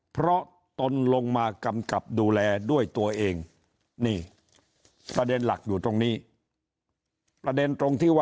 เพราะตนลงมากำกับดูแลด้วยตัวเอง